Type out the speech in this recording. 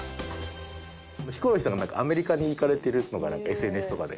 ヒコロヒーさんがアメリカに行かれてるのがなんかＳＮＳとかで。